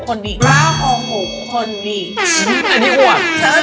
คนอีก